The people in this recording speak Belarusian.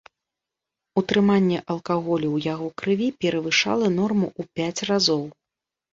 Утрыманне алкаголю ў яго крыві перавышала норму ў пяць разоў.